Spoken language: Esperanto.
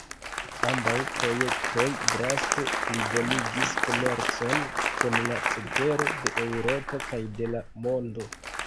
Ambaŭ projektoj draste plibonigis komercon kun la cetero de Eŭropo kaj de la mondo.